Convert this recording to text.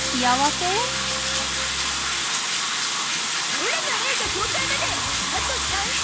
オラの映画公開まであと３週！